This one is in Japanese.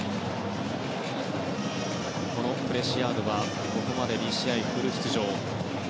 プレシアードはここまで２試合フル出場。